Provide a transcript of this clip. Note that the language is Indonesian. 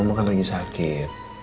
mamah kan lagi sakit